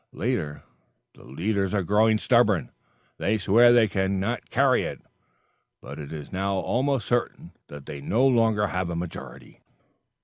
Later: "The leaders are growing stubborn they swear they can carry it, but it is now almost certain that they no longer have a majority!"